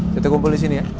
kita kumpul disini ya